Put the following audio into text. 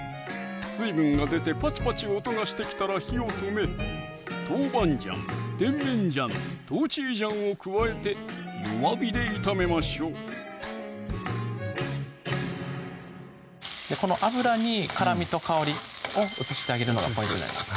水分が出てパチパチ音がしてきたら火を止め豆板醤・甜麺醤・豆醤を加えて弱火で炒めましょうこの油に辛みと香りをうつしてあげるのがポイントになります